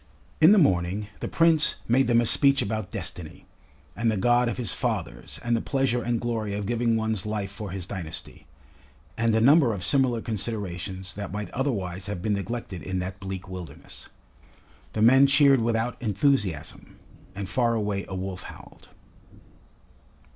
In the morning the Prince made them a speech about Destiny, and the God of his Fathers and the pleasure and glory of giving one's life for his dynasty, and a number of similar considerations that might otherwise have been neglected in that bleak wilderness. The men cheered without enthusiasm, and far away a wolf howled.